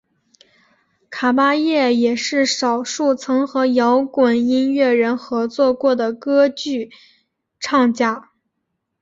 卡芭叶也是少数曾和摇滚音乐人合作过的歌剧唱家。